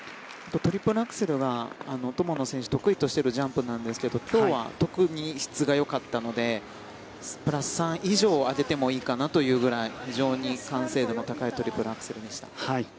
トリプルアクセルは友野選手、得意としているジャンプなんですけど今日は特に質がよかったのでプラス３以上でもいいかなというぐらい非常に完成度の高いトリプルアクセルでした。